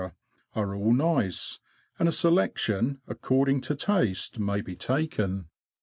are all nice, and a selection, according to taste, may be taken.